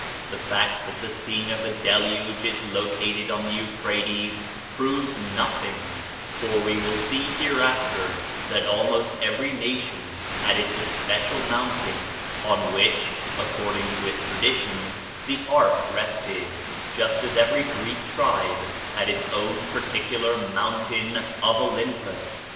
The fact that the scene of the Deluge is located on the Euphrates proves nothing, for we will see hereafter that almost every nation had its especial mountain on which, according to its traditions, the ark rested; just as every Greek tribe had its own particular mountain of Olympos.